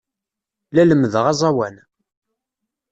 La lemmdeɣ aẓawan.